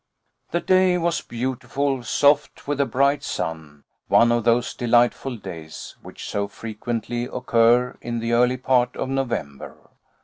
The day was beautiful, soft, with a bright sun, one of those delightful days which so frequently occur in the early part of November.